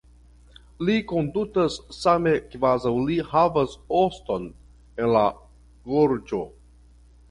Li kondutas same kvazaŭ li havas oston en la gorĝo.